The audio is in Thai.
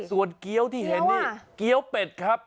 ส่วนเกี้ยวที่เห็นนี่เกี้ยวเป็ดครับ